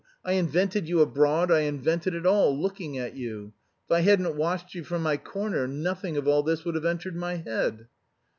I invented you abroad; I invented it all, looking at you. If I hadn't watched you from my corner, nothing of all this would have entered my head!"